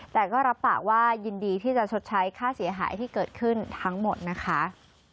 แต่ก็รับปากว่ายินดีที่จะชดใช้ค่าเสียหายที่เกิดขึ้นทั้งหมดนะคะ